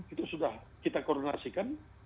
itu sudah kita koordinasikan